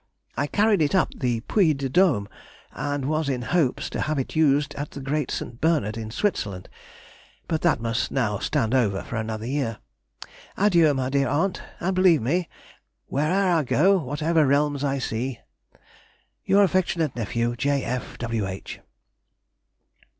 I carried it up the Puy de Dome, and was in hopes to have used it at the Great St. Bernard, in Switzerland, but that must now stand over for another year. Adieu, dear aunt, and believe me—"where'er I go, whatever realms I see"— Your affectionate nephew, J. F. W. H.